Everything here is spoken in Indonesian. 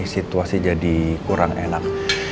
situasi jadi kurang enak